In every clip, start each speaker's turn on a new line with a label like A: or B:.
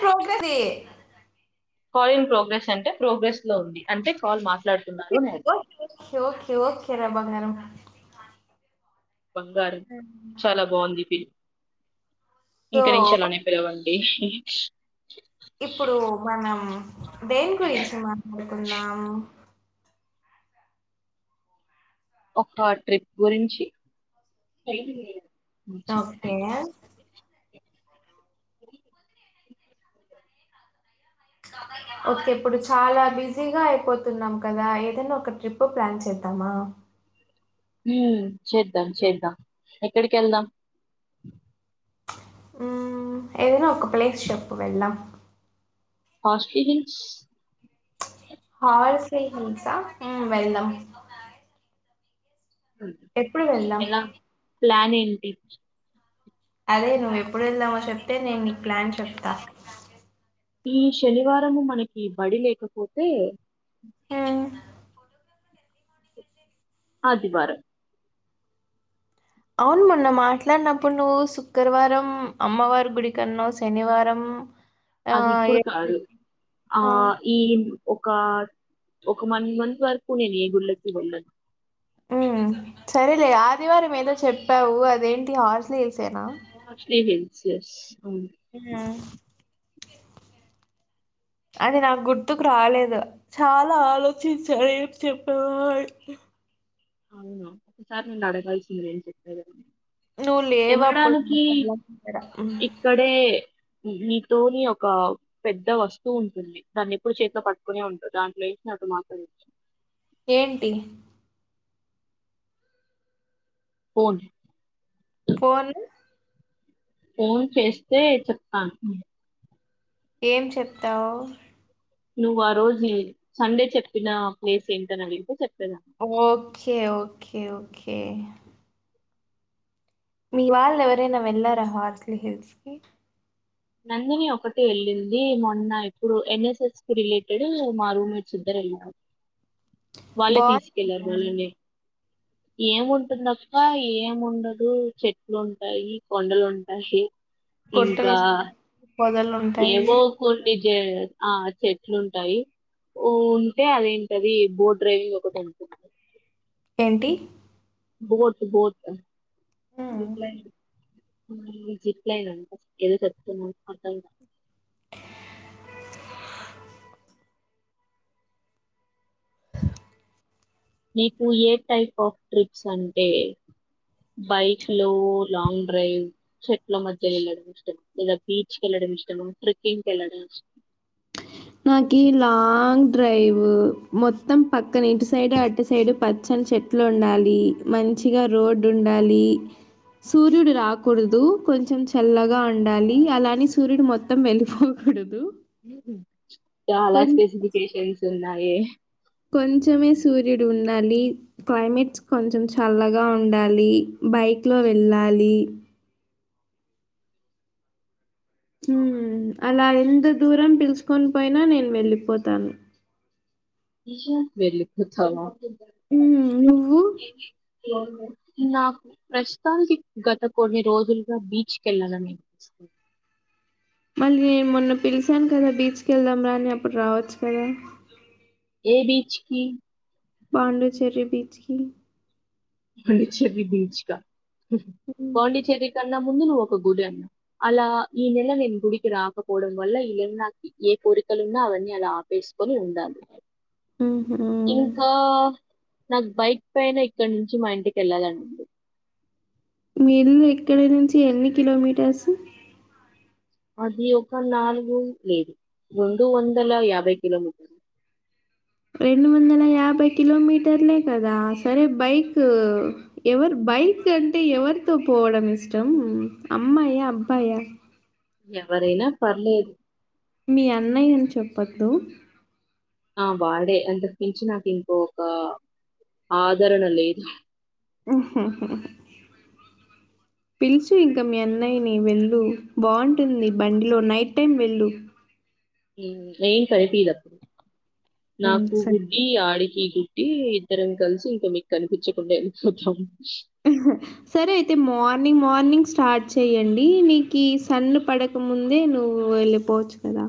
A: ప్రోగ్రె [inaudible]
B: call in progress అంటే progress లో ఉంది అంట కాల్ మా
A: ఓకే ఓకే రా బంగారం
B: బంగారం చాలా బాగుంది ఇది
A: సో
B: ఇంకా నుంచి అలానే పిలవండి
A: ఇప్పుడు మనం దేని గురించి మాట్లాడుకుందాం
B: ఒక ట్రిప్ గురించి
A: ఓకే ఓకే ఇప్పుడు చాలా బిజీగా అయిపోతున్నాం కదా ఏదైనా ఒక ట్రిప్ ప్లాన్ చేద్దామా
B: మ్ చేద్దాం చేద్దాం ఎక్కడికి వెళ్దాం
A: మ్ ఏదైనా ఒక ప్లేస్ చెప్పు వెళ్దాం
B: హార్స్లిహిల్స్
A: హార్స్లిహిల్స్ ఆ మ్ వెళ్దాం ఎప్పుడు వెళ్దాం
B: ఎలా ప్లాన్ ఏంటి
A: అదే నువ్వు ఎప్పుడు వెళ్దామో చెప్తే నేను నీకు ప్లాన్ చెప్తా
B: ఈ శనివారము మనకి బడి లేకపోతే
A: ఉమ్
B: ఆదివారం
A: అవును మొన్న మాట్లాడినప్పుడు నువ్వు శుక్రవారం అమ్మవారి గుడి కన్నావు శనివారం ఆ,
B: అది ఇప్పుడు
A: ఏ
B: కాదు
A: గుడికి?
B: ఆ ఈ ఒక ఒక వన్ మంత్ వరకు నేను గుళ్ళకి వెళ్ళను
A: ఉమ్ సరేలే ఆదివారం ఏదో చెప్పావు అదేంటి హార్సిలీ
B: హార్సిలీ హిల్స్ జస్ట్
A: ఆ అది నాకు గుర్తుకు రాలేదు చాలా ఆలోచించా ఏం చెప్పాలో అని
B: అవునా ఒకసారి నన్ను అడగాల్సింది చెప్పేదాన్ని
A: నువ్వు లేవప్పుడు నా
B: ఎనడానికి
A: కళ్ళ ముందర. ఉమ్,
B: ఇక్కడే నీతోని ఒక పెద్ద వస్తువు ఉంటుంది దాన్ని ఎప్పుడు చేతిలో పట్టుకునే ఉంట దాంట్లో వసిన మాత్ర [inaudible]
A: ఏంటి
B: ఫోన్
A: పోను
B: ఫోన్ చేస్తే చెప్ప
A: ఏం చెప్తావు
B: నువ్వు ఆ రోజు ఏ సండే చెప్పిన ప్లేస్ ఏంటని అడిగితే చెప్
A: ఓ కే ఓకే ఓకే మీ వాళ్ళ ఎవరైనా వెళ్లారా హార్స్లీ హిల్స్ కి
B: నందిని ఒకటే వెళ్ళింది మొన్న ఇప్పుడు ఎన్ఎస్ఎస్ కి రిలేటెడ్ మా రూమ్మేట్స్ ఇద్దరు. వెళ్ళినారా వాళ్ళే తీసుకెళ్లరు
A: బాగుంది
B: వాళ్ళని ఏముంటుందక్క ఏమిండదు చెట్లు ఉంటాయి కొండలుంటాయి.
A: కొట్టలో
B: ఏవో కొన్ని జె ఆ చెట్లు ఉంటాయి ఓ ఉంటే అదేంటది బోట్ డ్రైవింగ్ ఒకటి ఉంటుంది.
A: ఏంటి
B: బోట్ బోతటు రిప్లైయిడ్ అ జీప్లైన్ ఎది కత్తు కొ నీకు ఏ టైప్ ఆఫ్ ట్రిప్స్ అంటే బైక్ లో లాంగ్ డ్రైవ్ చెట్లా మధ్య యెల్లడం ఇష్టం, ఇంగా బీచ్ కెల్లా ష్టమా ట్రేక్కింగ్ కెల్లడం ఇష్టమా
A: నాకి లాంగ్ డ్రైవు మొత్తం పక్కన ఇటు సైడ్ అటు సైడు పచ్చని చెట్లు ఉండాలి మంచిగా రోడ్డు ఉండాలి సూర్యుడు
B: ఇష్టమా
A: రాకూడదు కొంచెం చ్ చల్లగా ఉండాలి అలాని సూర్యుడు మొత్తం వెళ్ళిపోకూడదు.
B: ఉహు చాలా
A: కొ
B: స్పెసిఫికేషన్స్ ఉన్నాయే
A: కొంచమే సూర్యుడు ఉండాలి, క్లైమేట్స్ కొంచెం చల్లగా ఉండాలి. బైక్లో వెళ్ళాలి ఉ అలా ఎంత దూరం పిల్చుకొని పోయినా నేను వెళ్ళిపోతాను.
B: వెళ్ళిపోతావా
A: ఉ నువ్వు
B: నాకు ప్రస్తుతానికి గత కొన్ని రోజులుగా బీచ్కి వెళ్ళాలని అనిపిస్తంది.
A: మళ్ళీ నేన్ మొన్న పిలిచాను కదా బీచ్కి వెళ్దాం రా అని అప్పుడు రావచ్చు కదా.
B: ఏ బీచ్ కి
A: పాండుచేరి బీచ్ కి
B: పాండిచ్చేరి బీచ్ కా ఉహు
A: హ్మ్.
B: పాండిచేరి కన్నా ముందు నువ్వు ఒక గుడి అన్నావ్ అలా ఈ నెల నేను గుడికి రాకపోవడం వల్ల ఈ ఎన్నాకి ఏ కోరిక్ కులున్నా అవన్నీ అలా ఆపేసుకొని ఉండాలి.
A: హుహు.
B: ఇంకా నాక్ బైక్ పైన ఇక్కడ నుంచ్ చి మా ఇంటికి వెళ్ళలని ఉంది
A: మీ ఇల్లు ఇక్కడ నుంచి ఎన్ని కిలోమీటర్సు
B: అది ఒక నాలుగు లేదు రెండు వందల యాభై కిలోమీటర్లు.
A: రెండు వందల యాభై కిలోమీటర్లే కదా సరే బైకు ఎవరు బై బైక్ అంటే ఎవరితో పోవడం ఇష్టం అమ్మాయా అబ్బాయా.
B: ఎవరైనా పర్లేదు
A: మీ అన్నయ్య అని చెప్పొద్దు
B: ఆ వాడే అంతకుమించి నాకు ఇంకో ఒక ఆదరణ లేదు.
A: ఉ హు హు పిల్చి ఇంకా మీ అన్నయ్యని వెళ్ళు బాగుంటుంది బండిలో నైట్ టైమ్ వెళ్ళు.
B: ఇ ఎమ్ కనిపిదప్పుడు
A: ఉమ్,
B: నాకు
A: సరే
B: గుడ్ది ఆడికి గు డ్డి ఇద్దరం కలిసి ఇంకా మీకు కనిపించకుండా వెళ్ళిపోతాం.
A: ఉ హా సరే అయితే మార్నింగ్ మార్నింగ్ స్టార్ట్ చెయ్యండి నీకి సన్ను పడక ముందే నువ్వు వెళ్ళిపోచ్చు కదా.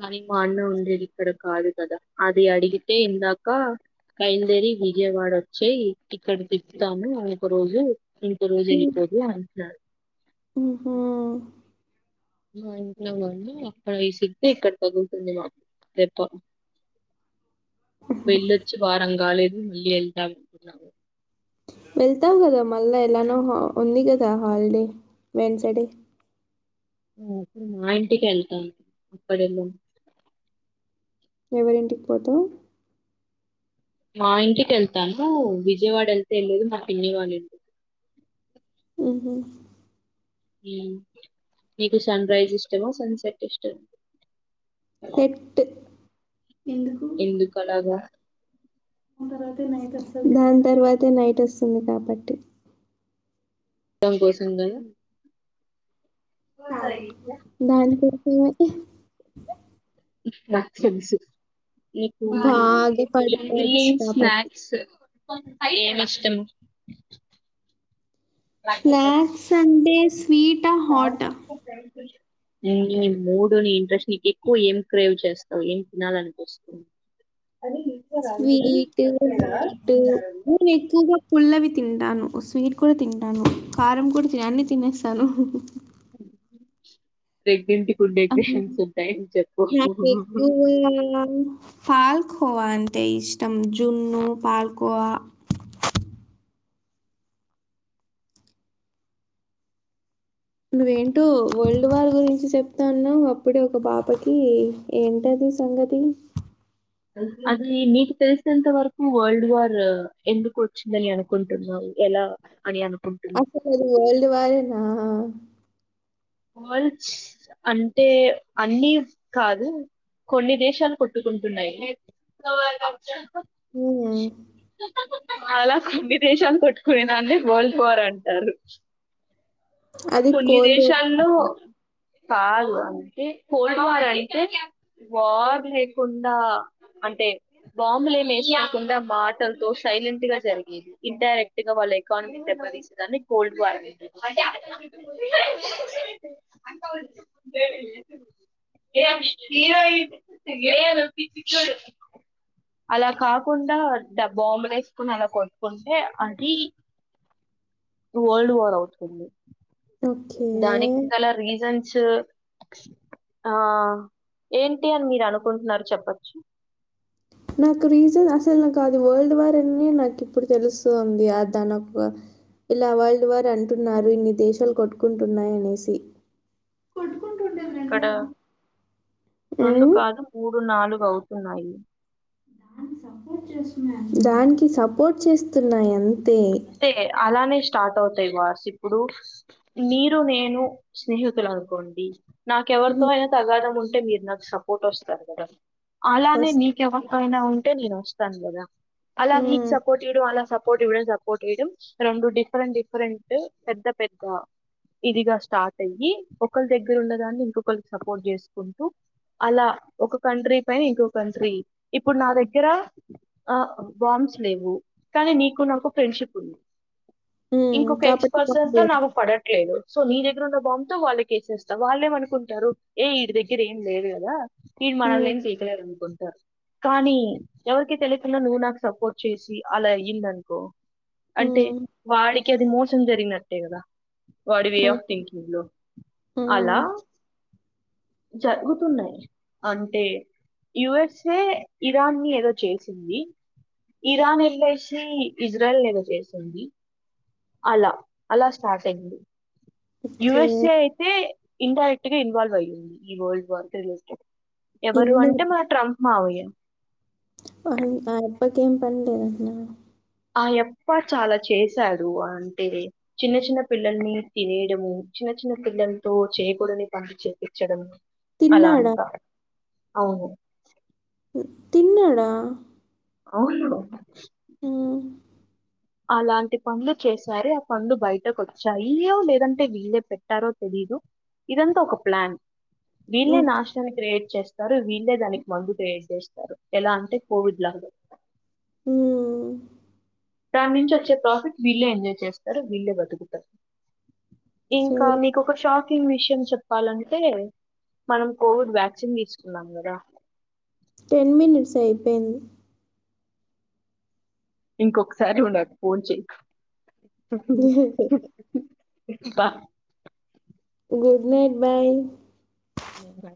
B: కానీ మా అన్న ఉండేది ఇక్కడ కాదు కదా అది అడిగితే ఇందాక. కైందేరి విజయవాడ వచ్చి ఇక్కడ తిప్తాము ఒక రోజు ఇంకో రోజు ఎళ్తాది అంట్నాడు
A: ఓహో
B: మా ఇంట్లో వాళ్ళు అక్కడ విసిర్తే ఇక్కడ తగుల్తుంది మాకు దెబ్బ వెళ్ళొచ్చి వారంగాలేదు మళ్ళీ ఎళ్తాను అంటున్నావు
A: వెళ్తాం కదా మళ్ళా ఎలానో ఉంది కదా హాలిడే వెన్సడే
B: నేను అప్పుడు మా ఇంటికి ఎళ్తాను అప్పుడు ఎళ్ళు
A: ఎవరింటికి పోతావ్
B: మా ఇంటికి ఎళ్తాను విజయవాడ ఎళ్తేలేదు మా పిన్ని వాళ్ళ ఇంటికి
A: మ్మ్ హు
B: నీకు సన్ రైస్ ఇష్టమ సన్సెట్ ఇష్టం
A: సెట్టు
B: ఎందుకు అలగా
A: ఆ తర్వాతే నైటు వస్తాది దాని తర్వాతే నైట్ వస్తది కాబట్టి
B: అవి కోసం గద మ్
A: దాని తర్వత నేనే
B: నాకు సె మి స్సు నీకు
A: బాగా
B: ఇమ్
A: పడుకోవచ్చు
B: బీలివ్
A: కాబట్టి
B: స్నాక్స్ ఏం ఇష్టము
A: స్నాక్స్ అంటే స్వీటా, హాటా?
B: చ నీ మూడు నీ ఇంట్రెస్ట్ నీకు ఎక్కువ ఏం క్రేవ్ చేస్తావు ఏం తినాలనిపిస్తుంది అది
A: స్వీటు హాట్టు నేను ఎక్కువగ పుల్లవి తింటాను స్వీట్ కూడా తింటాను కారం కూడా అన్ని తినేస్తాను
B: ప్రెగ్నటిప్ ఫుల్
A: అవును.
B: డెకరేషన్స్ ఉంటాయి చెప్పు
A: పాల్ కోవా అంటే ఇష్టం జున్ను పాల్ కోవా నువ్వేంటో వరల్డ్ వార్ గురించి చెప్తా ఉన్నావ్ అప్పుడే ఒక పాపకి ఏంటది సంగతి
B: అది మీకు తెలిసినంత వరకు వరల్డ్ వార్ ఎందుకు వచ్చిందని అనుకుంటున్నావు ఎలా అని అను
A: అసలు అది వల్డ్ వారేనా
B: వాల్డ్స్ అంటే అన్ని కాదు కొన్ని దేశాలు కొట్టుకుంటున్నాయి
A: ఉమ్మ్
B: అలా కొన్ని దేశాలు కొట్టుకునినే వరల్డ్ వార్ అంటారు
A: అది కోల్డ్ వార్.
B: చన్నూ కాదు అంటే కొల్డ్ వార్ అంటే వార్ లేకుండా అంటే బాంబులు ఏం ఎసుకుండా మాటలతో సైలెంట్ గా జరిగేది ఇన్డైరెక్ట్ గా వాళ్ళ ఎకానమీ దె తీసేదాన్ని కోల్డ్ వార్ అకా ఏం ఏమైంది ఏ పిచ్చిది చూడు అలా కాకుండా డ బాంబులు ఎసుకుని అలా కొట్టుకుంటే అది వల్డ్ వార్ అవుతుంది
A: ఓకే.
B: దానికి గల రీజన్సూ ఆ ఏంటి అని మీరు అనుకుంటున్నారు చెప్పచ్చు
A: నాకు రీజన్ అసలు నాకు అది వరల్డ్ వార్ అనే నాకు ఇప్పుడు తెలుస్తుంది అద నాకు ఇలా వరల్డ్ వార్ అంటున్నారు ఇన్ని దేశాలు కొట్టుకుంటున్నాయనేసి
B: ఇక్కడ రెండు
A: హ్మ్.
B: కాదు మూడు నాలుగు అవుతున్నాయి
A: దానికి సపోర్ట్ చేస్తున్నాయి అన్ని
B: అంతే అలానే ఇష్ట స్టార్ట్ అవుతాయి వార్స్ ఇప్పుడు మీరు నేను స్నేహితులు అనుకోండి నాకే ఎవరితో
A: హ్మ్.
B: అయినా తగాదం ఉంటే మీరు నాకు సపోర్ట్ వస్తారు కదా అలానే
A: ఫస్
B: నీకు ఎవరితో అయినా ఉంటే నేను వస్తాను కదా అలా నీకు
A: హ్మ్.
B: సపోర్ట్ ఇయడం అలా సపో సపోర్ట్ ఇవ్వడం సపోర్ట్ చేయడం రెండు డిఫరెంట్ డిఫరెంట్ పెద్ద పెద్ద ఇదిగా స్టార్ట్ అయ్యి ఒకరి దగ్గర ఉన్నదాన్ని ఇంకొకరికి సపోర్ట్ చేసుకుంటూ అలా ఒక కంట్రీ పై ఇంకొ కంట్రీ ఇప్పుడు నా దగ్గర ఆ బాం లేవు కానీ నీకు నాకు ఫ్రెండ్షిప్ ఉంది
A: హ్మ్.
B: ఇంకొక ఎక్స్
A: కాబట్టి
B: పర్సన్స్ తో
A: బాంబులు
B: నాకు పడట్లేదు సో నీ దగ్గర దెగరుణ బొమ్ తో వాళ్లకేసేస్తావ్ వాళ్ళేమనుకుంటారు ఏ విడి దగ్గర ఏం లేదు కదా వీలు
A: హ్మ్.
B: మనమేం పీకలేరు అనుకుంటారు కానీ ఎవరికి తెలియకుండా నువ్వు నాకు సపోర్ట్ చేసి అలా అయింది అనుకో అంటే
A: హ్మ్.
B: వాడికి అది మోసం జరిగినట్టే కదా వాడి వే
A: హ్మ్.
B: ఆఫ్ థింకింగ్ లో
A: హ్మ్.
B: అలా జగుతున్నా అంటే యుఎస్ఏ ఇరాన్ ని ఏదో చేసింది ఇరాన్ వెళ్ళసి ఇజ్రాయల్ ఎదో చేసింది అలా అలా స్టార్ట్ అయింది
A: ఓకే.
B: యూఎస్ఏ అయితే ఇన్ డైరెక్ట్ గా ఇన్వాల్వ్ అయ్యింది ఈ వరల్డ్ వార్ కి రిలేటెడ్ ఎవరు
A: ఎన్నో
B: అంటే మా ట్రంప్ మామయ్య
A: అరే ఆ అబ్బాయికి ఏం పని లేదంటానా
B: ఆ ఎప్ప చాలా చేశాడు అంటే చిన్న చిన్న పిల్లల్ని తినేయడము చిన్న చిన్న పిల్లలతో చేయకూడని పనులు చేపించడం అలా
A: తిన్నాడా?
B: అంటా అవును
A: తిన్నడా
B: అవును
A: మ్మ్
B: అలాంటి పనులు చేసారు ఆ పనులు బయటకు వచ్చాయిో లేదంటే వీళ్ళే పెట్టారో తెలియదు ఇదంతా ఒక ప్లాన్ వీళ్ళే
A: ఓకే.
B: నాశనాన్ని క్రియేట్ చేస్తారు వీళ్ళే దానికి మందు క్రియేట్ చేస్తారు ఎలా అంటే కోవిడ్ లాగా
A: ఊమ్మ్
B: దాని నుంచి వచ్చే ప్రాఫిట్ వీళ్ళే ఎంజాయ్ చేస్తారు వీళ్ళే బతుకుతారు ఇంకా
A: సరే.
B: మీకు ఒక షాక్ విషయం చెప్పాలంటే మనం కోవిడ్ వ్యాక్సిన్ తీసుకున్నాం కదా
A: టెన్ మినట్స్ అయిపొయింది
B: ఇంకొకసారి నువ్వు నాకు ఫోన్ చేయకు ఇంకా
A: గుడ్ నైట్ బాయ్
B: లేదు రా